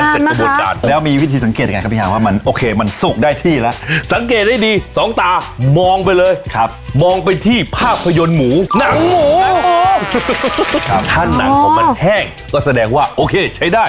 ภาพยนตร์หมูหนังหมูถ้าหนังของมันแห้งก็แสดงว่าโอเคใช้ได้